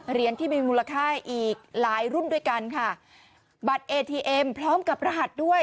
ที่มีมูลค่าอีกหลายรุ่นด้วยกันค่ะบัตรเอทีเอ็มพร้อมกับรหัสด้วย